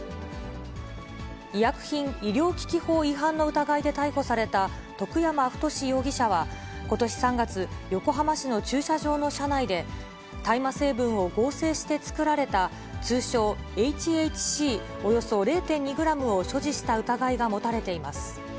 医薬品医療機器法違反の疑いで逮捕された、徳山太志容疑者はことし３月、横浜市の駐車場の車内で、大麻成分を合成して作られた、通称ＨＨＣおよそ０．２グラムを所持した疑いが持たれています。